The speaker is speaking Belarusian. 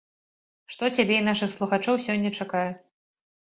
Што цябе і нашых слухачоў сёння чакае?